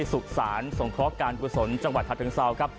สุสานสงเคราะห์การกู้สนจังหวัดฉะเชิงเศร้าวครับ